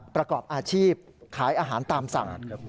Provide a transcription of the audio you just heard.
ประกอบอาชีพขายอาหารตามสั่ง